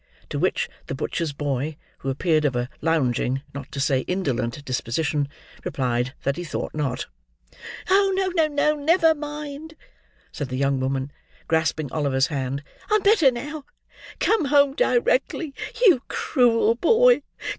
To which, the butcher's boy: who appeared of a lounging, not to say indolent disposition: replied, that he thought not. "Oh, no, no, never mind," said the young woman, grasping Oliver's hand; "I'm better now. Come home directly, you cruel boy!